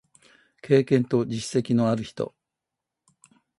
経験と実績のある人